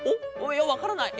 いやわからない。